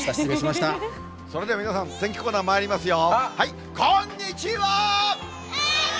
それでは皆さん、天気コーナーまいりますよ。